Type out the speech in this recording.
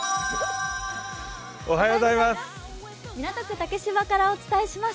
港区竹芝からお伝えします。